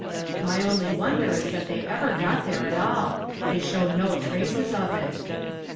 My only wonder is that they ever got there at all. They show no traces of it.